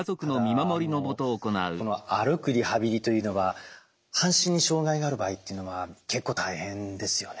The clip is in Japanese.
ただ歩くリハビリというのは半身に障害がある場合っていうのは結構大変ですよね？